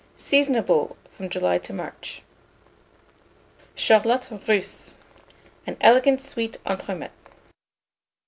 Seasonable from July to March. CHARLOTTE RUSSE. (An Elegant Sweet Entremets.)